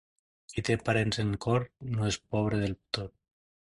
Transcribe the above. Qui té parents en cort no és pobre del tot.